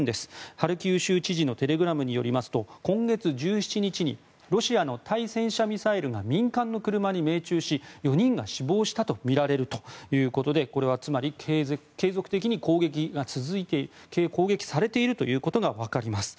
ハルキウ州知事のテレグラムによりますと今月１７日にロシアの対戦車ミサイルが民間の車に命中し、４人が死亡したとみられるということでこれはつまり、継続的に攻撃されているということが分かります。